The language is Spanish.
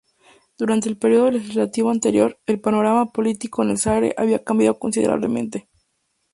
Durante el periodo legislativo anterior, el panorama político en el Sarre había cambiado considerablemente.